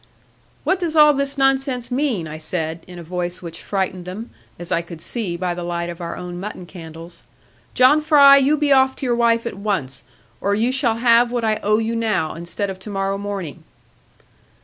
'What does all this nonsense mean?' I said, in a voice which frightened them, as I could see by the light of our own mutton candles: 'John Fry, you be off to your wife at once, or you shall have what I owe you now, instead of to morrow morning.'